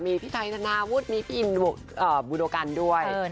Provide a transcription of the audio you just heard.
มีพี่ไทยธนาวุฒิมีพี่อินบูโดกันด้วย